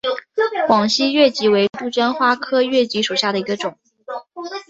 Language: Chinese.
广西越桔为杜鹃花科越桔属下的一个种。